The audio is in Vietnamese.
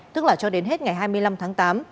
tức là cho đến hết ngày hai mươi năm tháng tám